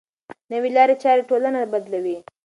نوې لارې چارې ټولنه بدلوي.